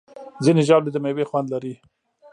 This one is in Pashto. ځینې ژاولې د میوې خوند لري.